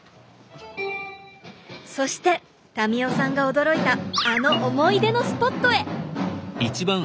そして民生さんが驚いたあの思い出のスポットへ！